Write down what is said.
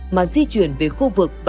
mà di chuyển về khu vực bãi xe gamura